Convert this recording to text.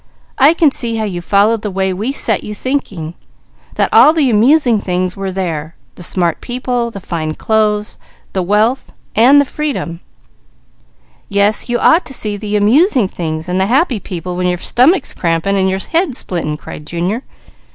I can see you followed the way we set you thinking, that all the amusing things were there, the smart people, the fine clothes, the wealth, and the freedom " "Yes you ought to see the 'amusing things' and the 'happy people' when your stomach's cramping and your head splitting!" cried Junior.